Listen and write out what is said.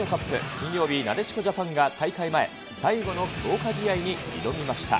金曜日、なでしこジャパンが大会前最後の強化試合に挑みました。